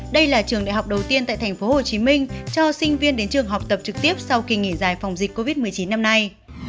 đây là trường đại học đầu tiên tại tp hcm cho sinh viên đến trường học tập trực tiếp sau kỳ nghỉ dài phòng dịch covid một mươi chín năm nay